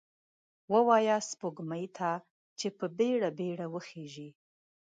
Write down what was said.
ووایه سپوږمۍ ته، چې په بیړه، بیړه وخیژئ